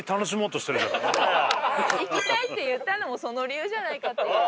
行きたいって言ったのもその理由じゃないかっていうね。